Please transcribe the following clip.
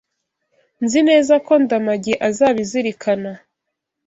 Nzi neza ko Ndamage azabizirikana.